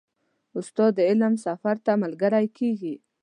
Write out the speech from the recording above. استاد د علم سفر ته ملګری کېږي.